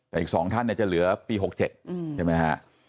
แต่อีกสองท่านเนี่ยจะเหลือปี๖๗ใช่ไหมฮะ